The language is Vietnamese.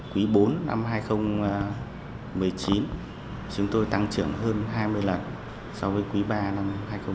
quý bốn năm hai nghìn một mươi chín chúng tôi tăng trưởng hơn hai mươi lần so với quý ba năm hai nghìn một mươi tám